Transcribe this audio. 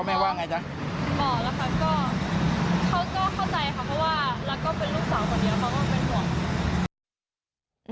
บอกแล้วค่ะก็เข้าใจค่ะเพราะว่าแล้วก็เป็นลูกสาวคนเดียวเขาก็เป็นห่วง